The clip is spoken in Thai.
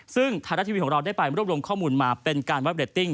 ซึ่งไทยรัฐทีวีของเราได้ไปรวบรวมข้อมูลมาเป็นการวัดเรตติ้ง